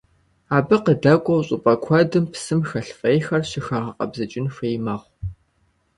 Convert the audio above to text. Абы къыдэкӀуэу щӀыпӀэ куэдым псым хэлъ фӀейхэр щыхэгъэкъэбзыкӀын хуей мэхъу.